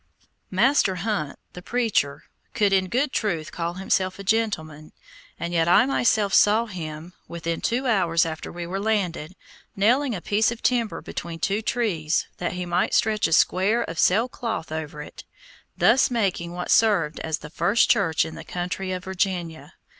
Master Hunt, the preacher, could in good truth call himself a gentleman, and yet I myself saw him, within two hours after we were landed, nailing a piece of timber between two trees that he might stretch a square of sailcloth over it, thus making what served as the first church in the country of Virginia.